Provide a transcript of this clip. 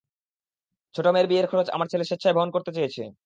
ছোট মেয়ের বিয়ের খরচ আমার ছেলে সেচ্ছায় বহন করতে চেয়েছে।